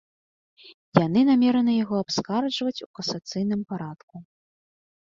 Яны намераны яго абскарджваць у касацыйным парадку.